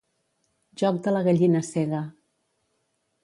Joc de la gallina cega.